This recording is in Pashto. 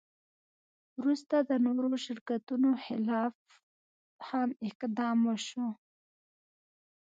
وروسته د نورو شرکتونو خلاف هم اقدام وشو.